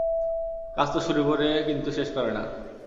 কাজ তো শুরু করে কিন্তু শেষ করে না।